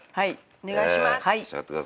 お願いします！